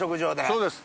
そうです。